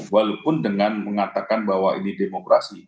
walaupun dengan mengatakan bahwa ini demokrasi